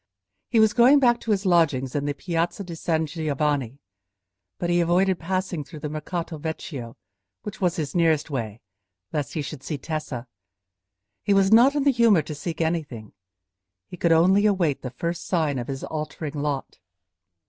He was going back to his lodgings in the Piazza di San Giovanni, but he avoided passing through the Mercato Vecchio, which was his nearest way, lest he should see Tessa. He was not in the humour to seek anything; he could only await the first sign of his altering lot.